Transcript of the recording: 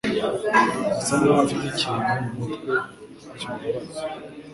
Asa nkaho afite ikintu mumutwe kimubabaza.